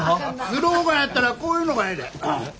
スローガンやったらこういうのがええで。